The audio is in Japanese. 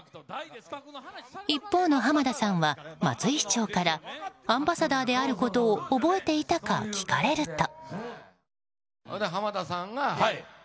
一方の浜田さんは松井市長からアンバサダーであることを覚えていたか聞かれると。